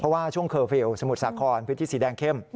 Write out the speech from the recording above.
เพราะว่าช่วงเคอร์ฟิลล์สมุทรสาครพื้นที่สีแดงเข้ม